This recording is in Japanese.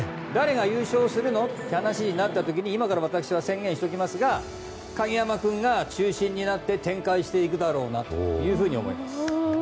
誰が優勝するの？って話になった時に今から私は宣言しておきますが鍵山君が中心になって展開していくだろうと思います。